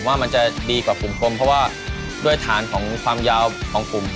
ว่ามันจะดีกว่าปุ่มกลมเพราะว่าด้วยฐานของความยาวของกลุ่ม